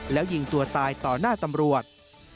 แล้วยิงตัวตายต่อหน้าตำรวจ